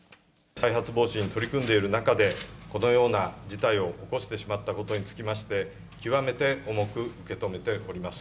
再発防止に取り組んでいる中で、このような事態を起こしてしまったことにつきまして、極めて重く受け止めております。